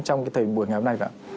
trong cái thời buổi ngày hôm nay